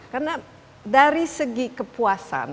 karena dari segi kepuasan